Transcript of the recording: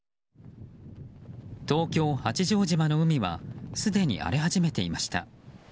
東京・八丈島の海はすでに荒れ始めていました。